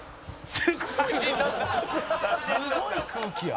「すごい空気や」